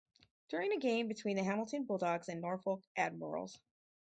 During a game between the Hamilton Bulldogs and Norfolk Admirals.